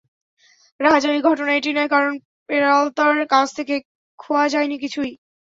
রাহাজানির ঘটনা এটি নয়, কারণ পেরালতার কাছ থেকে খোয়া যায়নি কিছুই।